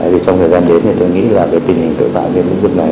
trong thời gian đến tôi nghĩ là về tình hình tự phạm như lúc này